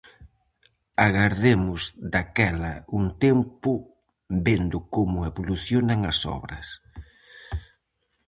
Agardemos daquela un tempo vendo como evolucionan as obras.